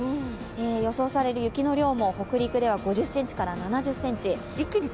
予想される雪の量も、北陸では５０ｃｍから７０ｃｍ。